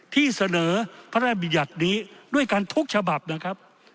ที่เสนอพระยามญัตินี้ด้วยการทุกข์ฉบับนะครับ